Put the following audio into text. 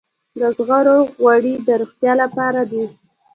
د زغرو غوړي د روغتیا لپاره دي.